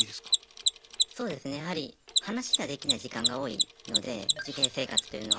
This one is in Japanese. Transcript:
そうですねやはり話ができない時間が多いので受刑生活というのは。